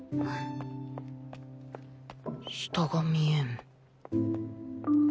下が見えん